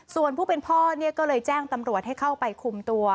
ส่วนผู้เป็นพ่อเนี่ยก็เลยแจ้งตำรวจให้เข้าไปคุมตัว